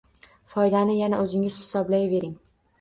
Foydani yana o‘zingiz hisoblayvering!